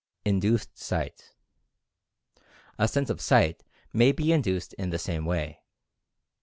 INDUCED SIGHT. The sense of Sight may be induced in the same way.